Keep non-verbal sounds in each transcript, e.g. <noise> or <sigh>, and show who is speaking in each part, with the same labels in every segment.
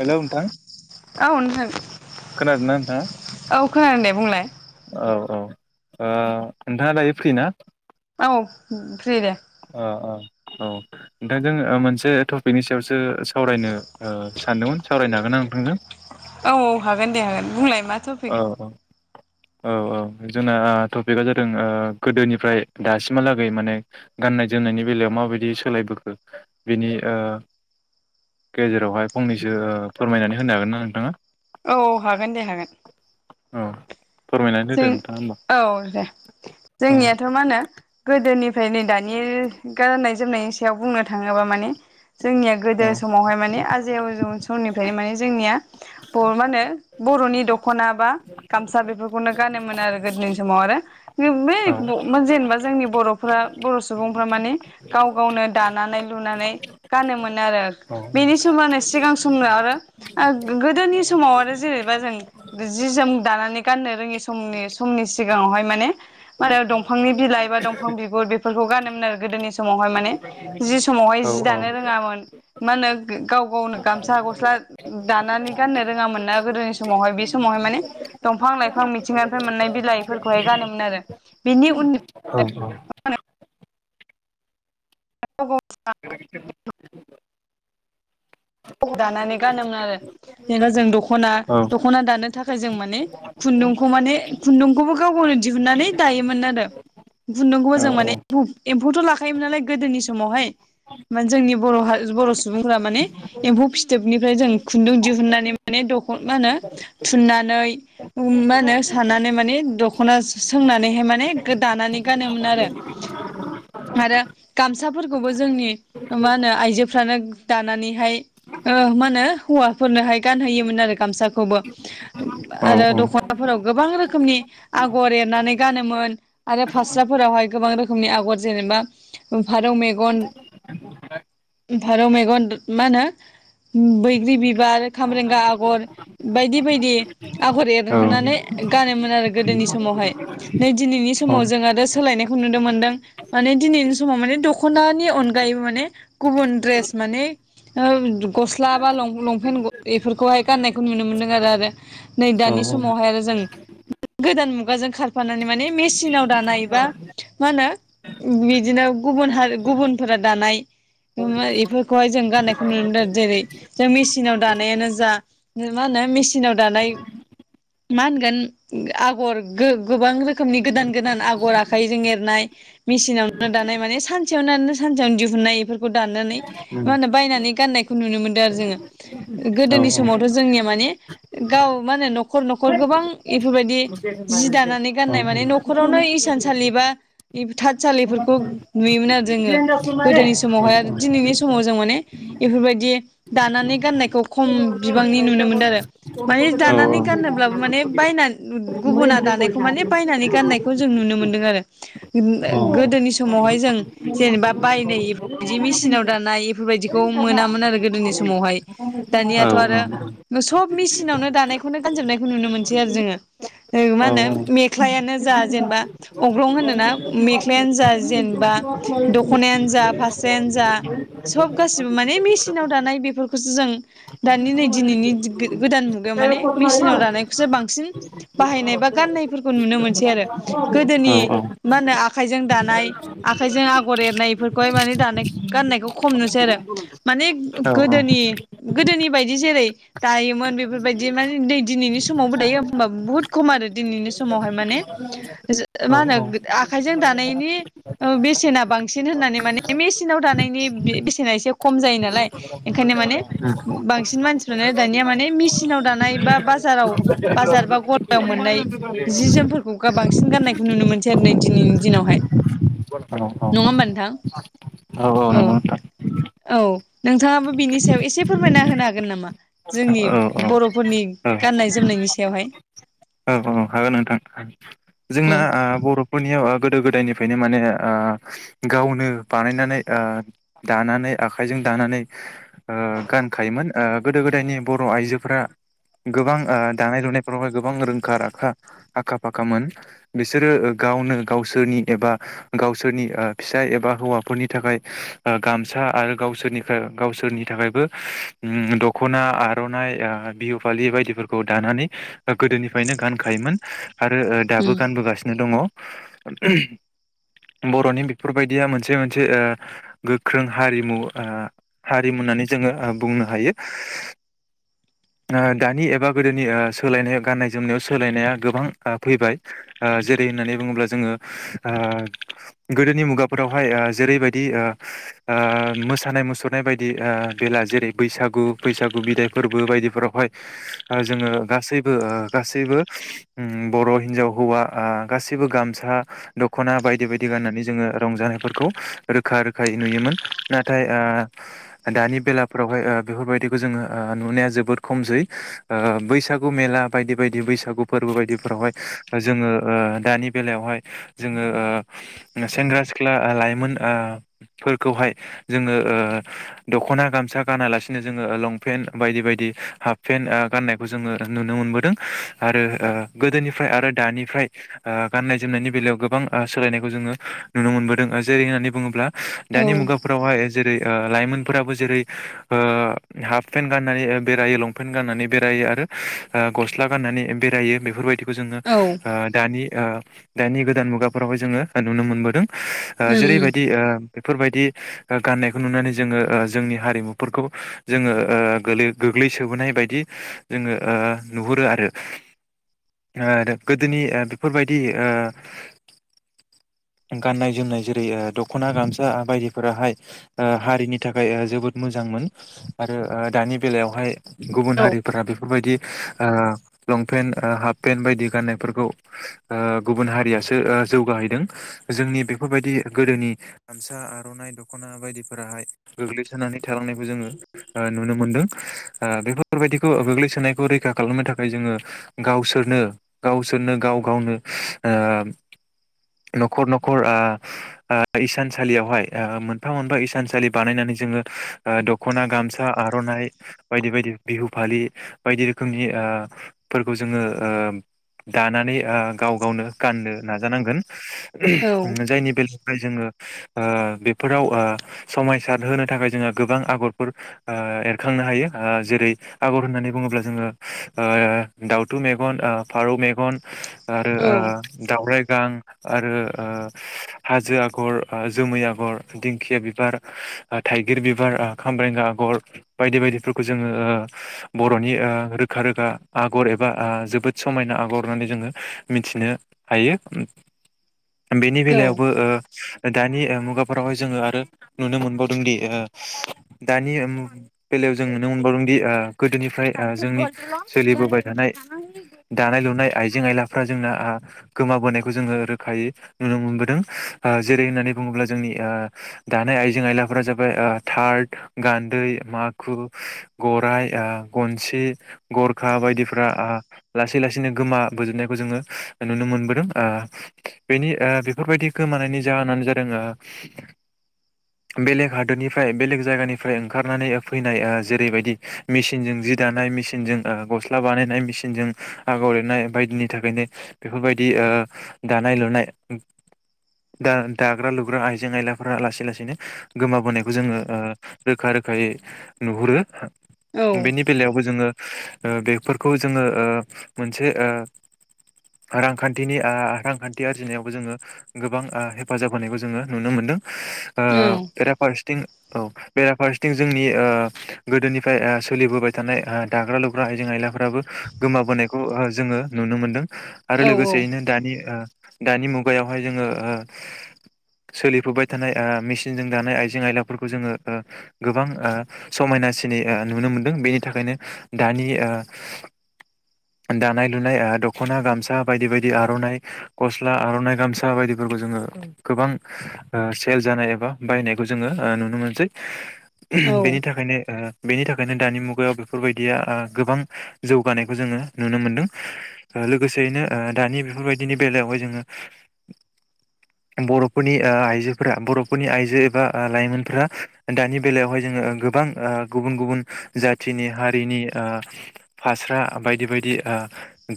Speaker 1: Hello नोंथां
Speaker 2: औ नोंथां
Speaker 1: खोनादोंना
Speaker 2: औ खोनादों दे
Speaker 1: नोंथांआ?
Speaker 2: बुंलाय।
Speaker 1: औ औ ओ नोंथाङा दायो फ्रिना?
Speaker 2: औ फ्रि दे।
Speaker 1: अ अ औ नोंथांजों मोनसे टपिकनि सायावसो सावरायनो ओ सानदोंमोन सावरायनो हागोना नोंथांजों?
Speaker 2: औ औ हागोन दे हागोन बुंलाय मा टपिक
Speaker 1: औ औ। औ औ जोंना टपिकआ जादों ओ गोदोनिफ्राय दासिमहालागै माने गाननाय जोमनायनि बेलायाव माबायदि सोलायबोखो बेनि ओ गेजेरावहाय फंनैसो ओ फोरमायनानै होनो हागोनना नोंथाङा?
Speaker 2: औ हागोन दे हागोन।
Speaker 1: औ। फोरमायनानै होदो
Speaker 2: जों
Speaker 1: नोंथाङा होमबा
Speaker 2: औ दे
Speaker 1: औ
Speaker 2: जोंनियाथ' मा होनो गोदोनिफ्राय नै दानि गाननाय जोमनायनि सायाव बुंनो थाङोबा माने जोंनिया गोदो समावहाय माने आजै आजौ समनिफ्रायनो माने जोंनिया बर'आव मा होनो बर'नि दख'ना बा गामसा बेफोर खौनो गानोमोन आरो गोदोनि समाव आरो <unintelligible>
Speaker 1: औ
Speaker 2: जेनेबा जोंनि बर' फ्रा बर' सुबुंफ्रा मानि गाव गावनो दानानै लुनानै गानोमोन। आरो
Speaker 1: औ
Speaker 2: बेनि समानो सिगां समनो आरो गोदोनि समाव आरो जेरैबा जों जि जोम दानानै गानो जोंनि सम समनि सिगाङावहाय माने मा होनो दंफांनि बिलाइ बा दंफां बिगुर बेफोरखौ गानोमोन आरो गोदोनि समावहाय माने जि समावहाय
Speaker 1: औ
Speaker 2: जि दानो रोङामोन मा होनो गाव गावनो गामसा गस्ला दानानै गाननो रोङामोन ना गोदोनि समावहाय बे समावहाय माने दंफां लाइफां बिफां मिथिंगानिफ्राय मोननाय बिलाइफोरखौहाय गानोमोन आरो बिनि
Speaker 1: औ
Speaker 2: उननिफ्राय मा होनो <unintelligible>
Speaker 1: <unintelligible>
Speaker 2: <unintelligible> दानानै गानोमोन आरो । जेनेबा जों दख'ना दख'ना दानो थाख जों माने खुन्दुंखौ माने खुुंन्दुं खौबो गाव गावनो दिहुननानै दायोमोन आरो खुन्दुं खौबो जों एम्फौथ' लाखायोमोन नालाय गोदोनि समावहाय जोंनि बर' हा बर' सुबुंफोरा माने एम्फौ फिथोबनिफ्राय जों खुन्दुं दिहुननानै माने दखना होनो थुननानै मा होनो सानानै माने दख'ना सो-सोंनानैहाय माने दानानै गानोमोन आरो आरो गामसाफोरखौबो जोंनि मा होनो आइजोफ्रानो दानानैहाय ओ मा होनो? हौवाफोरनोहाय गानहोयोमोन आरो गामसाखौबो
Speaker 1: औ
Speaker 2: आरो
Speaker 1: औ
Speaker 2: दख'नाफोराव गोबां रोखोमनि आगर एरनानै गानोमोन आरो फास्राफोरावहाय गोबां रोखो नि आगर जेनेबा फारौ मेगन भारौ मैगन मा होनो? बैग्रि बिबार, खामरेंगा आगर बायदि बायदि आगर
Speaker 1: औ
Speaker 2: एरखांनानै गानोमोन आरो गोदोनि समावहाय नै दिनैनि समाव जों आरो सोलायनायखौ नुनो मोनदों माने दिनैनि समाव माने दख'नानि अनगायैबो माने गुबुन द्रेस माने गस्ला बा लंपेन्ट बेफोरखौहाय गाननायखौ नुनो मोनदों आरो नै दानि समावहाय आरो जों गोदान मुगाजों खार खारफानानै माने मेसिनाव दानाय बा मा होनो बिदिनो गुबुन हारि गुबुनफोरा दानाय बेफोरखौहाय जों गाननाय नुनो मोनदों जेरै जों मेसिनाव दानायानो जा मा होनो सिनाव दानाय मा होनगोन आगर गो-गोबां रोख रोखोमनि गोदान गोदान आगर आखाइजों एरनाय मेसिनावनो दानाय माने सान सानसेयावनो <unintelligible> सानसेयावनो दिहुननाय बेफोर दानानै मा होनो बायनानै नुनो मोनदों आरो जों गोदोनि समावथ' जोंनि माने गाव मा होनो? न'खर न'खर गोबां इफोरबायदि जि दानानै गाननाय माने न'खरावनो इसानसालि बा थाथसालिफोरखौ नुयोमोन आरो जोंङो गोदोनि समावहाय आरो दिनैनि समाव जों माने जि दानानै गाननायखौ खम बिबांनि नुनो मोनदों आरो माने दानानै गानोब्लाबो माने बायना गुबुना दानायखौ माने बायनानै गाननायखौ जों नुनो मोनदों आरो । गोदनि गोदोनि समावहाय जों जेनेबा बायनाय बिदि मिसिनाव दानाय बेफोरबायदि खौ मोनामोन आरो गोदोनि समावहाय दानियाथ' आरो सब मेसिनावनो दानायखौनो गानजोबनायखौ नुनो मोनसै आरो जोङो । ओ मा होनो मेख्लायानो जा जा जेनेबा अग्रं होनोना मेख्लायानो जा जेनेबा दख'नायानो जा फास्रायानो जा सब सिम माने मेसिनाव दानाय बेफोर बेखौसो जों दानि नै दिनैनि गोदान मुगायाव माने मेसिनाव दानायखौसो बांसिन बाहायनायबा गान्नायफोरखौ नुनो मोनसै सै‌ आरो गोदोनि मा होनोआखायजों दा नाय आखाइजों आगर एरनाय बेफोरखौहाय दानो गाननायखौ खम नुसै सै आरो माने गोदोनि गोदोनि बायदि जेरै दायोमोन बेफोरबायदि माने नै दिनैनि समावबो दायो होम्बाबो बुहुत खम आरो दिनैनि समावहाय माने मा होनो
Speaker 1: नंगौ
Speaker 2: आखायजों दानायनि ओ बेसेना बांसिन होननानै माने मेसिनाव दानायनि बे बेसेन बेसेना एसे खम जायो नालाय ओंखायनो माने बांसिन मानसिफ्रानो दानिया माने मेसिनाव दानाय बा बाजाराव बाजार बा गलायाव मोननाय जि जोमफोरखौ गोबां बांसिन गाननायखौ नुनो मोनसै आरो नै दिनैनि दिनावहाय नङा होम्बा नोंथां औ ।
Speaker 1: नोंथां
Speaker 2: औ नोंथाङाबो बिनि सायाव एसे फोरमायना होनो हागोन नामा? जोंनि
Speaker 1: औ औ
Speaker 2: बर'फोरनि
Speaker 1: औ
Speaker 2: गाननाय जोमनायनि सायावहाय
Speaker 1: औ
Speaker 2: ।
Speaker 1: औ हागोन नोंथां जोंना
Speaker 2: उम
Speaker 1: ओ बर'फोरनियाव गोदो गोदायनिफ्रायनो ओ माने ओ गावनो बानायनानै ओ दानानै आखाइजों दानानै ओ गानखायोमोन ओ गोदो गोदायनि बर' आइजोफोरा गोबां ओ दानाय लुनायफोरावहाय गोबां रोंखा राखा आखा फाखामोन बिसोरो ओ गावनो गावसोरनि एबा गावसोरनि ओ फिसाय एबा हौवाफोरनि थाखाय ओ गामसा आरो गावसोरनि गावसोरनि थाखायबो उम दख'ना आर'नाइ ओ बिहु फालि बायदिफोरखौ दानानै गोदोनिफ्रायनो गानखायोमोन आरो ओ दाबो
Speaker 2: उम
Speaker 1: गानबोगासिनो दङ' बर'नि बेफोरबायदिया मोनसे मोनसे ओ गोख्रों हारिमु ओ हारिमु होननानै जोङो बुंनो हायो । ओ दानि एबा गोदोनि ओ सोलायनायाव गान्नाय जोमनायाव सोलायनाया गोबां ओ फैबाय ओ जेरै होननानै बुङोब्ला जोङो गोदोनि मुगाफोरावहाय ओ जेरैबायदि ओ मोसानाय मुसुरनाय बायदि ओ बेला जेरै बैसागु बैसागु बिदाय फोरबो बायदि फोरावहाय ओ जोङो गासैबो ओ गासैबो उम बर' हिनजाव हौवा ओ गासैबो गामसा दख'ना बायदि बायदि गाननानै जोङो रंजानायफोरखौ रोखा रोखायै नुयोमोन नाथाय ओ दानि बेलाफोरावहाय ओ बेफोरबायदिखौ जोङो ओ नुनाया जोबोद खमसै ओ बैसागु मेला बायदि बायदि बैसागु फोरबो बायदिफोरावहाय जोङो ओ दानि बेलायावहाय जोङो ओ सेंग्रा सिख्ला लाइमोन ओ फोरफोरखौहाय जोङो ओ दख'ना गामसा गानालासिनो जोङो लंपेन्ट बायदि बायदि हाफ पेन्ट ओ गाननायखौ जोङो नुनो मोनबोदों आरो ओ गोदोनिफ्राय आरो दानिफ्राय ओ गाननाय जोमनायनि बेलायाव गोबां ओ सोलायनायखौ जोङो नुनो मोनबोदों जेरै होननानै बुङोब्ला
Speaker 2: औ
Speaker 1: दानि मुगाफोरावहाय जेरै ओ लाइमोनफोराबो जेरै ओ हाफ पेन्ट गाननानै बेरायो लंपेन्ट फेन गाननानै बेरायो ओ आरो गस्ला गाननानै बेरायो बेफोरबायदि खौ जोङो
Speaker 2: औ
Speaker 1: ओ दानि ओ दानि गोदान मुगाफोरावहाय जोङो नुनो मोनबोदों ओ
Speaker 2: उम उम
Speaker 1: जेरैबायदि ओ बेफोरबायदि ओ गाननायखौ नुनानै जोङो ओ जोंनि हारिमुफोरखौ जोङो ओ गोलै गोग्लैसोनाय सोबोनाय बायदि जोङो ओ नुहुरो आरो गोदोनि ओ बेफोरबायदि ओ गाननाय जोमनाय जेरै ओ दख'ना गामसा बायदिफोराहाय ओ हारिनि थाखाय जोबोद मोजांमोन आरो दानि बेलायावहाय गुबुन
Speaker 2: औ
Speaker 1: हारिफोरा बेफोरबायदि ओ लंपेन्ट ओ हाफ पेन्ट बायदि गाननायफोरखौ ओ गुबुन हारियासो ओ जौगाहैदों जोंनि बेफोरबायदि गोदोनि गामसा आर'नाइ दख'ना बायदिफोराहाय गोग्लैसोनानै थालांनायखौ जोङो ओ नुनो मोनदों। ओ बेफोरबायदिखौ गोग्लैसोनायखौ रैखा खालामनो थाखाय जोङो गावसोरनो गावसोरनो गाव गावनो ओ न'खर न'खर ओ ओ इसानसालियावहाय ओ मोनफा मोनफा इसानसालि बानायनानै जोङो ओ दख'ना, गामसा, आर'नाइ बायदि बायदि बिहु फालि बायदि रोखोमनि ओ फोरबोखौ जोङो ओ दानानै आ गाव गावनो गाननो नाजानांगोन।
Speaker 2: औ
Speaker 1: जायनि बेल थाय जोङो ओ बेफोराव ओ समायसार होनो थाखाय जोङो गोबां आगरफोर ओ एरखांनो हायो। ओ जेरै आगर होननानै बुङोब्ला जोङो ओ दाउथु मेगन ओ फारौ मेगन आरो
Speaker 2: औ
Speaker 1: ओ दावरायाइ गां आरो ओ हाजो आग'र ओ जोमै आग'र दिंखिया बिबार थाइगिर बिबार खामब्रेंगा आग'र बायदि बायदि फोर खौ जोङो ओ बर'नि ओ रोखा रोखा आगर एबा आ जोबोद समायना आगर होननानै जोङो मिथिनो हायो। बेनि
Speaker 2: औ
Speaker 1: बेलायावबो ओ दानि ओ मुगाफोरावहाय जोङो आरो नुनो मोनावदोंदि ओ दानि बेलायाव जों नुनो मोनबावदोंदि ओ गोदोनिफ्राय ओ जोंनि सोलिबोबाय थानाय दानाय लुनाय आइजें आइलाफ्रा जोंना आ गोमाबोनायखौ जोङो रोखायै नुनो मोनबोदों ओ जेरै होननानै बुङोब्ला जोंनि दानाय आइजें आइलाफोरा जाबाय ओ थार्द, गान्दै, माग खु, गराइ, आ गनसि, गरखा बायदिफ्रा आ लासै लासैनो गोमाबोजोबनायखौ जोङो नुनो मोनबोदों ओ बेनि आ बेफोरबायदि गोमानायनि जाहोनानो जादों आ बेलेग हादोरनिफ्राय बेलेग जायगानिफ्राय ओंखारनानै ओ फैनाय ओ जेरैबायदि मेसिनजों जि दानाय मेसिनजों ओ गस्ला बानायनाय मेसिनजों आगर एरनाय बायदिनि थाखायनो बेफोरबायदि ओ दानाय लुनाय दा-दाग्रा लुग्रा आइजें आयलाफोरा लासै लासैनो गोमाबोनायखौ जोङो रोखा रोखायै नुुहुरो
Speaker 2: औ
Speaker 1: बेनि बेलायावबो जोङो ओ बेफोरखौ जोङो ओ मोनसे ओ रांखान्थिनि आ रांखान्थि आरजिनायावबो जोङो गोबां आ हेफाजाब होनायखौ जोङो नुनो मोनदों। ओ बेरा फारसेथिं औ बेरा फारसेथिं जोंनि ओ गोदोनिफ्राय आ सोलिबोबाय थानाय आ दाग्रा लुग्रा आइजें आयलाफ्राबो गोमाबोनायखौ ओ जोङो नुनो मोनदों। आरो लोगोसेयैनो दानि ओ दानि मुगायावहाय जोङो ओ सोलिफुबाय थानाय आ मेसिनजों दानाय आइजें आयलाफोरखौ जोङो ओ गोबां आ समायनासिनै आ नुनो मोनदों बेनि थाखायनो दानि ओ दानाय लुनाय आ दख'ना गामसा बायदि बायदि आर'नाइ गस्ला आर'नाइ गामसा बायदिफोरखौ जोङो गोबां आ सेल जानाय एबा बायनायखौ जोङो ओ नुनो मोनसै। बेनि थाखायनो ओ बेनि थाखायनो दानि मुगायाव बेफोरबायदिया आ गोबां जौगानायखौ जोङो नुनो मोनदों ओ लोगोसेयैनो ओ दानि बेफोरबायदिनि बेलायावहाय जोङो बर'फोरनि ओ आइजोफोरा बर'फोरनि आइजो एबा आ लाइमोनफोरा दानि बेलायावहाय जोङो गोबां ओ गुबुन गुबुन जाथिनि हारिनि ओ फास्रा बायदि बायदि आ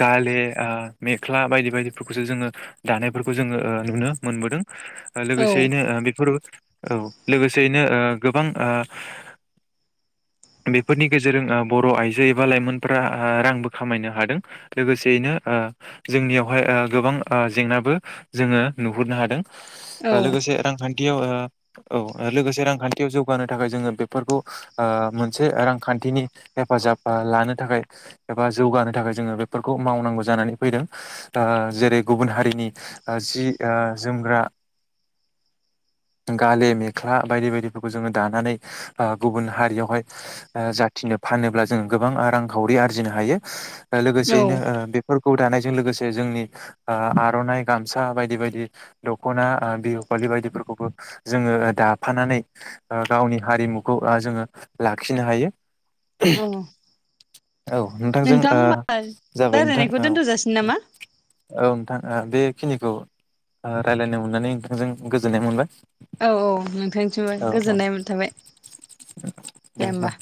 Speaker 1: गाले आ मेख्ला बायदि बायदिफोरखौसो जोङो दानायफोरखौ जोङो ओ नुनो मोनबोदों। लोगोसेयैनो ओ बेफोर औ लोगोसेयैनो ओ गोबां ओ बेफोरनि गेजेरजों ओ बर' आइजो एबा लाइमोनफोरा रांबो खामायनो हादों लोगोसेयैनो आ जोंनियावहाय आ गोबां आ जेंनाबो जोङो नुहुरनो हादों।
Speaker 2: औ
Speaker 1: ओ लोगोसे रांखान्थियाव ओ औ लोगोसे रांखान थियाव जौगानो थाखाय जोङो बेफोरखौ ओ मोनसे रांखान्थिनि हेफाजाब ओ लानो थाखाय एबा जौगानो थाखाय जोङो बेफोरखौ मावनांगौ जानानै फैदों ओ जेरै गुबुन हारिनि जि ओ जोमग्रा गाले मेख्ला बायदि बायदि खौ जोङो दानानै ओ गुबुन हारियावहाय ओ जाथिनो फानोब्ला जोङो गोबां रांखावरि आरजिनो हायो। लोगोसेयैनो
Speaker 2: औ
Speaker 1: ओ बेफोरखौ दानाय जों लोगोसे जोंनि ओ आर'नाइ गामसा बायदि बायदि दख'ना ओ बिहु फालि बायदिफोरखौबो जोङो दाफानानै ओ गावनि हारिमुखौ आ जोङो लाखिनो हायो।
Speaker 2: औ
Speaker 1: औ नोंथांजों
Speaker 2: नोंथां
Speaker 1: ओ
Speaker 2: होमबा
Speaker 1: जाबाय नोंथां
Speaker 2: रायलायनायखौ
Speaker 1: औ
Speaker 2: दोनथ' जासिनो नामा?
Speaker 1: औ नोंथां। ओ बेखिनिखौ ओ रायलायनो मोननानै नोंथांजों गोजोननाय मोनबाय
Speaker 2: औ औ नोंथां जोबोद
Speaker 1: औ औ
Speaker 2: गोजोननाय मोनथारबाय दे होम्बा।